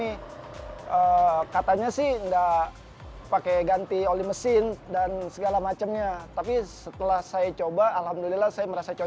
reza hafiz seorang pengemudi ojek daring yang sudah menjalani profesinya sebesar rp enam puluh satu perharinya